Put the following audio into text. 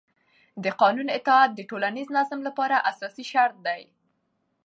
د قانون اطاعت د ټولنیز نظم لپاره اساسي شرط دی